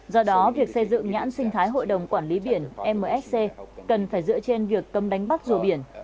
do đó việc xây dựng nhãn sinh thái hội đồng quản lý biển msc cần phải dựa trên việc cấm đánh bắt dùa biển